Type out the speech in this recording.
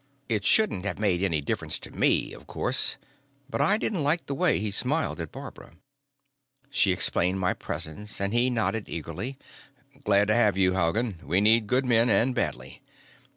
It shouldn't have made any difference to me, of course, but I didn't like the way he smiled at Barbara. She explained my presence, and he nodded eagerly. "Glad to have you, Haugen. We need good men, and badly."